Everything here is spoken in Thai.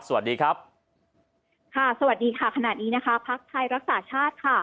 สวัสดีครับขณะนี้พักธัยรักษาชาติ